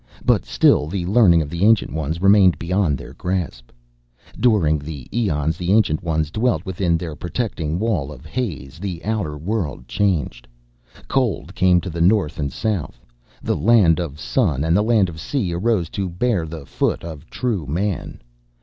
But still the learning of the Ancient Ones remained beyond their grasp. "During the eons the Ancient Ones dwelt within their protecting wall of haze the outer world changed. Cold came to the north and south; the Land of Sun and the Land of Sea arose to bear the foot of true man.